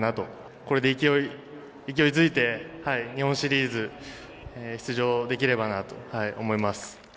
これで勢いづいて、日本シリーズ出場できればなと思います。